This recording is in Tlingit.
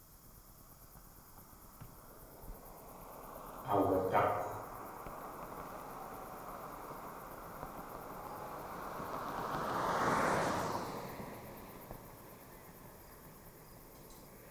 Aawadákw.